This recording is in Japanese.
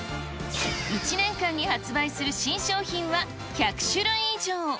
１年間に発売する新商品は１００種類以上。